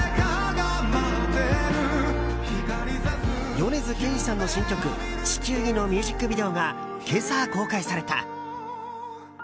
米津玄師さんの新曲「地球儀」のミュージックビデオが今朝、公開された。